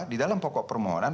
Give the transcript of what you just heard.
di dalam pokok permohonan